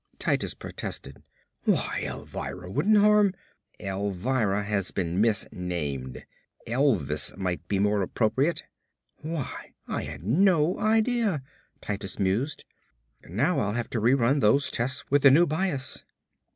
Titus protested, "Why Elvira wouldn't harm " "Elvira has been misnamed. Elvis might be more appropriate." "Why I had no idea," Titus mused. "Now I'll have to rerun those tests with the new bias."